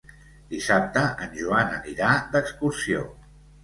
Dissabte en Joan anirà d'excursió.